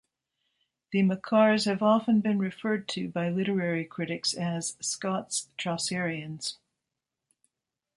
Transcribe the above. The Makars have often been referred to by literary critics as "Scots Chaucerians".